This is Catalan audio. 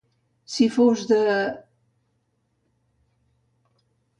Si fos de...